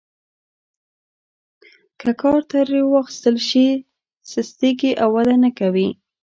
که کار ترې وانخیستل شي سستیږي او وده نه کوي.